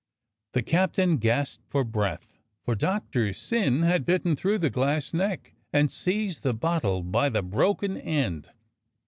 The captain gasped for breath, for Doctor Syn had bitten through the glass neck, and seized the bottle by the broken end.